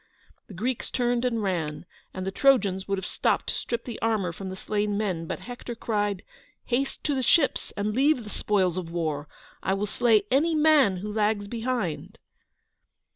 The Greeks turned and ran, and the Trojans would have stopped to strip the armour from the slain men, but Hector cried: "Haste to the ships and leave the spoils of war. I will slay any man who lags behind!"